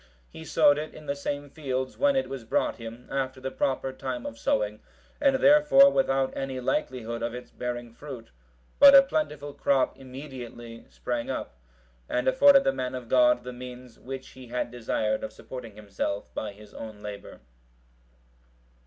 He sowed it in the same field, when it was brought him, after the proper time of sowing, and therefore without any likelihood of its bearing fruit; but a plentiful crop immediately sprang up, and afforded the man of God the means which he had desired of supporting himself by his own labour.